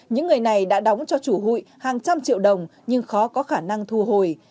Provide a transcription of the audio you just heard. những người này đã đóng cho chủ hụi hàng trăm triệu đồng nhưng khó có khả năng thu hồi